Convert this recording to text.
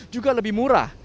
juga lebih murah